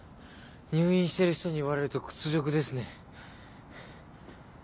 入院してる人に言われると屈辱ですね。